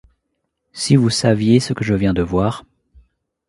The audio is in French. Si vous saviez ce que je viens de voir…